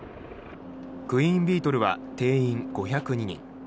「クイーンビートル」は定員５０２人。